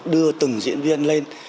đưa từng diễn viên lên